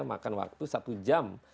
makan waktu satu jam